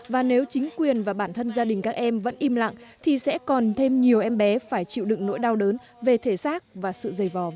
và nếu chính quyền và bản thân gia đình các em vẫn im lặng thì sẽ còn thêm nhiều em bé phải chịu đựng nỗi đau đớn về thể xác và sự dày vò về tinh thần